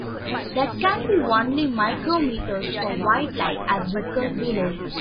That can be only micrometers for white light, as discussed below.